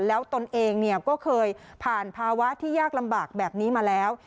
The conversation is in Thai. แล้วตนเองก็เคยผ่านภาวะที่ยากลำบากแบบนี้มาแล้ว